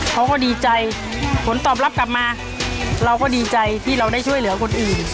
เขาก็ดีใจผลตอบรับกลับมาเราก็ดีใจที่เราได้ช่วยเหลือคนอื่น